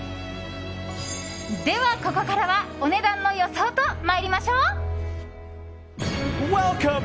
では、ここからはお値段の予想と参りましょう！